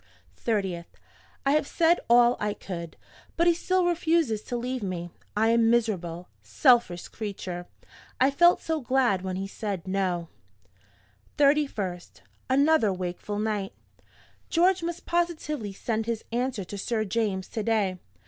"30th. I have said all I could; but he still refuses to leave me. I am a miserable, selfish creature. I felt so glad when he said No. "31st. Another wakeful night. George must positively send his answer to Sir James to day.